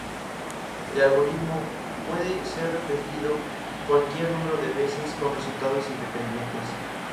El algoritmo puede ser repetido cualquier número de veces con resultados independientes.